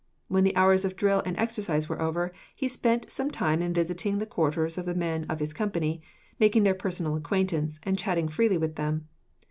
When the hours of drill and exercise were over, he spent some time in visiting the quarters of the men of his company, making their personal acquaintance, and chatting freely with them.